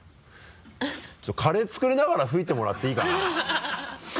ちょっとカレー作りながら吹いてもらっていいかな。